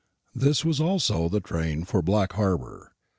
This was also the train for Black Harbour.